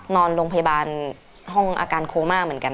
นอนโรงพยาบาลห้องอาการโคม่าเหมือนกัน